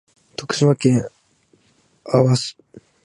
徳島県阿波市